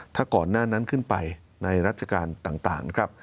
ถ้าก่อนหน้านั้นขึ้นไปในราชการต่างนะครับ